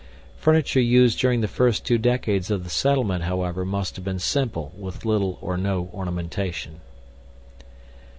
Furniture used during the first two decades of the settlement, however, must have been simple with little or no ornamentation.